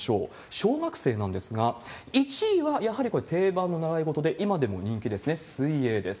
小学生なんですが、１位はやはり定番の習い事で、今でも人気ですね、水泳です。